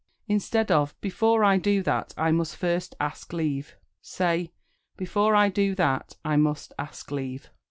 Instead of "Before I do that I must first ask leave," say "Before I do that I must ask leave."